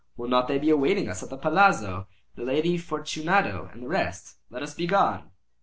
Will not they be awaiting us at the palazzo, the Lady Fortunato and the rest? Let us be gone."